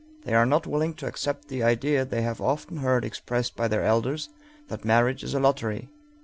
They are not willing to accept the idea they have often heard expressed by their elders that marriage is a lottery.